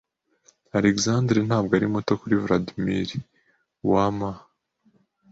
Alexandre ntabwo ari muto kuri Vladimir. (wma)